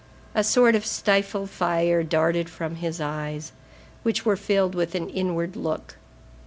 A sort of stifled fire darted from his eyes, which were filled with an inward look.